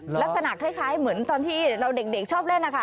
ลักษณะคล้ายเหมือนตอนที่เราเด็กชอบเล่นนะคะ